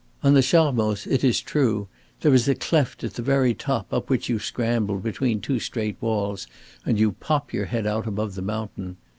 On the Charmoz, it is true, there is a cleft at the very top up which you scramble between two straight walls and you pop your head out above the mountain.